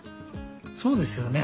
そうですよね。